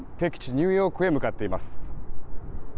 ニューヨークへ向かっています。